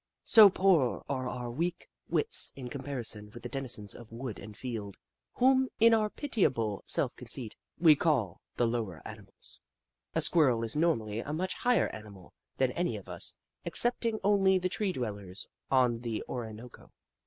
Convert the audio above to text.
So poor are our weak wits in comparison with the denizens of wood and field, whom, in our pitiable self conceit, we Kitchi Kitchi 105 call "the lower animals." A Squirrel is nor mally a much higher animal than any of us, ex cepting only the tree dwellers on the Orinoco.